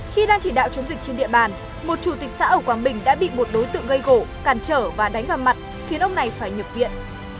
khi đang chỉ đạo chống dịch trên địa bàn một chủ tịch xã ở quảng bình đã bị một đối tượng gây gỗ cản trở và đánh vào mặt khiến ông này phải nhập viện